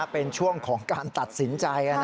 เป็นช่วงของการตัดสินใจ